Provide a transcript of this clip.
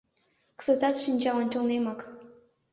Кызытат шинча ончылнемак.